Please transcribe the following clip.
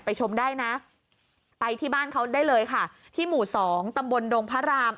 ชมได้นะไปที่บ้านเขาได้เลยค่ะที่หมู่สองตำบลดงพระราม